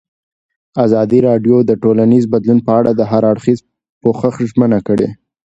ازادي راډیو د ټولنیز بدلون په اړه د هر اړخیز پوښښ ژمنه کړې.